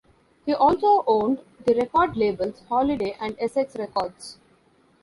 He also owned the record labels, Holiday and Essex Records.